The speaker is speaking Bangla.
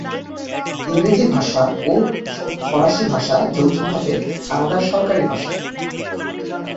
ইংরেজি ভাষা ও ফরাসি ভাষা যৌথভাবে কানাডার সরকারি ভাষা।